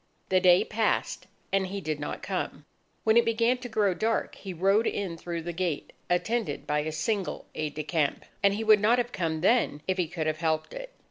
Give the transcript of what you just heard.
The day passed, and he did not come. When it began to grow dark, he rode in through the gate attended by a single aide de camp. And he would not have come then, if he could have helped it.